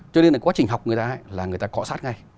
cho nên là quá trình học người ta là người ta cọ sát ngay